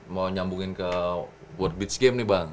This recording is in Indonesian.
mau nyambungin ke world beach game nih bang